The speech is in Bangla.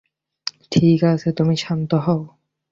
ঠিক আছে, তুমি শান্ত হও।